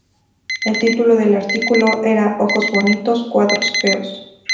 El título del artículo era "Ojos bonitos, cuadros feos".